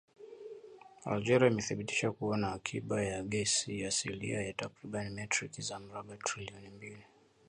Algeria imethibitisha kuwa na akiba ya gesi asilia ya takribani metric za mraba trilioni mbili